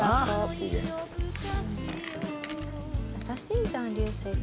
優しいじゃん流星君。